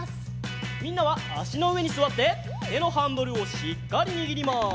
みんなはあしのうえにすわっててのハンドルをしっかりにぎります。